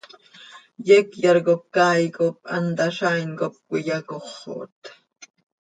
Yecyar cop caay cop hant hazaain com cöiyacoxot.